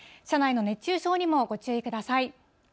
車内の熱中症にもご注意ください。